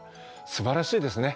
すばらしいですね。